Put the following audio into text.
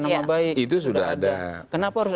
nama baik itu sudah ada kenapa harus